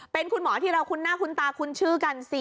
เป็นคุณหมอที่เราคุณหน้าคุณตาคุณชื่อกัน